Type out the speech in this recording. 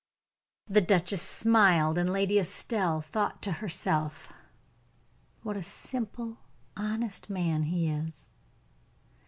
The duchess smiled, and Lady Estelle thought to herself: "What a simple, honest man he is."